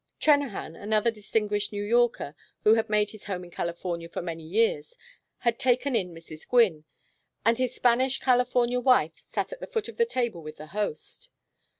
Trennahan, another distinguished New Yorker, who had made his home in California for many years, had taken in Mrs. Gwynne, and his Spanish California wife sat at the foot of the table with the host.